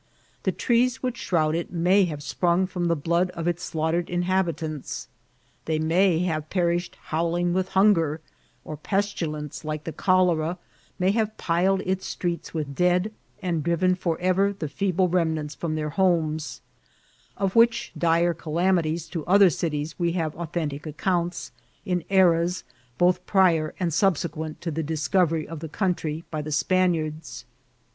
The trees which shroud it may have sprung firom the blood of its slaughtered inhabi tants ; they may have perished howling with hunger ; or pestilence, like the cholera, may have piled its streets with dead, and driven forever the feeble remnants from their homes; of which dire calamities to other cities we have authentic accounts, in eras both prior and subse quent to the discovery of the country by the Span iards.